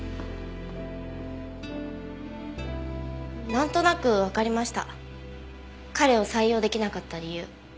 なんとなくわかりました彼を採用出来なかった理由。